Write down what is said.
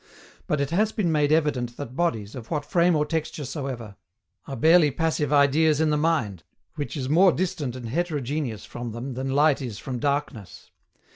But it has been made evident that bodies, of what frame or texture soever, are barely passive ideas in the mind, which is more distant and heterogeneous from them than light is from darkness.